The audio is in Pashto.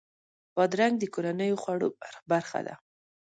بادرنګ د کورنیو خوړو برخه ده.